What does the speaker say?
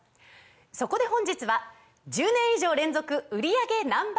そこで本日は１０年以上連続売り上げＮｏ．１